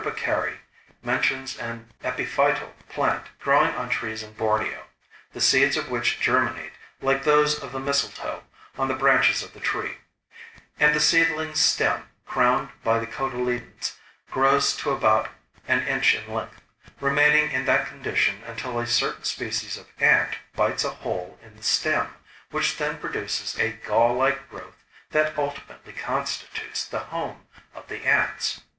Beccari mentions an epiphytal plant growing on trees in Borneo, the seeds of which germinate, like those of the mistletoe, on the branches of the tree; and the seedling stem, crowned by the cotyledons, grows to about an inch in length, remaining in that condition until a certain species of ant bites a hole in the stem, which then produces a gall like growth that ultimately constitutes the home of the ants.